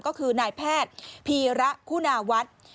ก็คือนายแพทย์พีระคุณาวัฒน์